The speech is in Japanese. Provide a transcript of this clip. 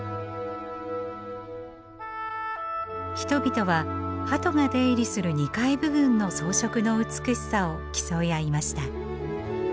人々はハトが出入りする２階部分の装飾の美しさを競い合いました。